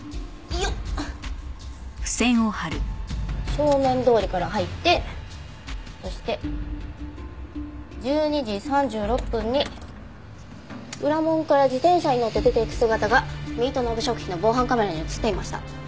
正面通りから入ってそして１２時３６分に裏門から自転車に乗って出ていく姿がミートノーブ食品の防犯カメラに映っていました。